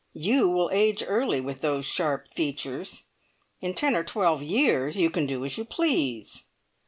You will age early with those sharp features. In ten or twelve years you can do as you please."